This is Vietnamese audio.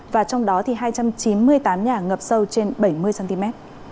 và trong đó thì hai trăm chín mươi tám nhà ngập sâu trên bảy mươi cm